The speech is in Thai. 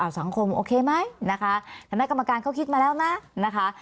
สังคมโอเคไหมนะคะคณะกรรมการเขาคิดมาแล้วนะนะคะ